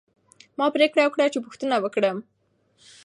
ما پریکړه وکړه چې پوښتنه وکړم.